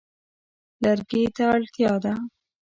لرګي ته اړتیا ده.